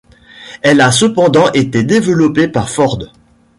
Elle a cependant été développée par Ford.